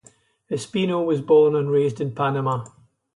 Espino was born and raised in Panama.